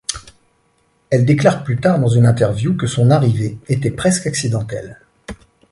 Elle déclare plus tard dans une interview que son arrivée était presque accidentelle.